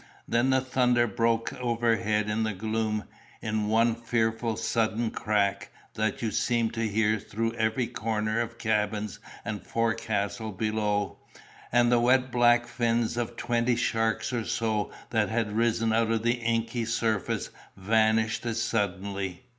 Then the thunder broke overhead in the gloom, in one fearful sudden crack, that you seemed to hear through every corner of cabins and forecastle below—and the wet back fins of twenty sharks or so, that had risen out of the inky surface, vanished as suddenly.